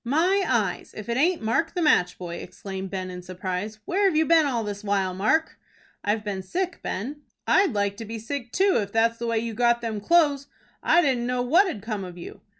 "My eyes, if it aint Mark, the match boy!" exclaimed Ben, in surprise. "Where've you been all this while, Mark?" "I've been sick, Ben." "I'd like to be sick too, if that's the way you got them clo'es. I didn't know what had 'come of you."